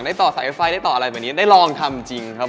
ต่อสายไฟได้ต่ออะไรแบบนี้ได้ลองทำจริงครับ